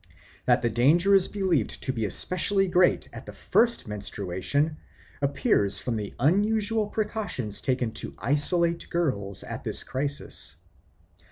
That the danger is believed to be especially great at the first menstruation appears from the unusual precautions taken to isolate girls at this crisis.